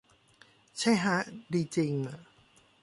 ใช่ฮะ ดีจริง